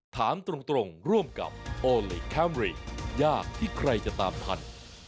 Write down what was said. ถามตรงร่วมกับโอลี่คัมรี่ยากที่ใครจะตามทัน